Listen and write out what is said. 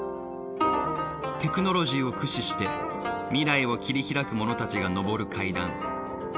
テクノロジーを駆使して未来を切り拓く者たちが昇る階段。